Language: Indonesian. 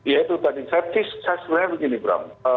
ya itu tadi saya sebenarnya begini bram